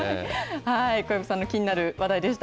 小籔さんの気になる話題でした。